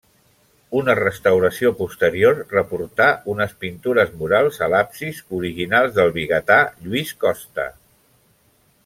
Una restauració posterior reportà unes pintures murals a l'absis, originals del vigatà Lluís costa.